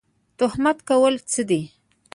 تهمت کول څه دي؟